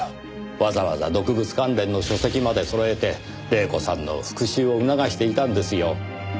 わざわざ毒物関連の書籍まで揃えて黎子さんの復讐を促していたんですよ。